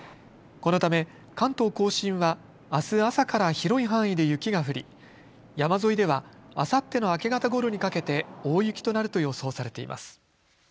このため関東甲信はあす朝から広い範囲で雪が降り山沿いではあさっての明け方ごろにかけて大雪となると予想されています。